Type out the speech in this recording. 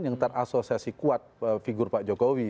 yang terasosiasi kuat figur pak jokowi